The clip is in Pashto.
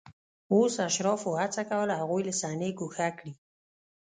اوس اشرافو هڅه کوله هغوی له صحنې ګوښه کړي